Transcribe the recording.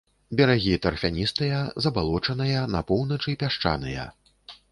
Берагі тарфяністыя, забалочаныя, на поўначы пясчаныя.